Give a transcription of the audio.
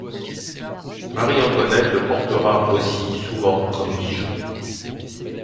Marie-Antoinette le portera aussi souvent comme bijou.